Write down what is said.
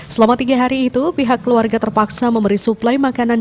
selama tiga hari itu pihak keluarga terpaksa memberi suplai makanan